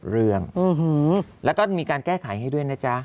เรื่องแล้วก็มีการแก้ไขให้ด้วยนะจ๊ะ